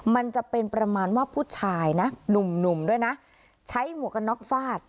มันจะเป็นประมาณว่าผู้ชายนะหนุ่มด้วยนะใช้หมวกกันน็อกฟาด